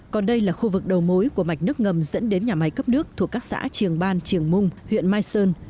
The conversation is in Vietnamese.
còn đây là khu vực đầu mối của mạch nước ngầm dẫn đến nhà máy cấp nước thuộc các xã triềng ban triềng mung huyện mai sơn